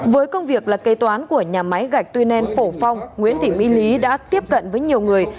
với công việc là kê toán của nhà máy gạch tuy nen phổ phong nguyễn thị mỹ lý đã tiếp cận với nhiều người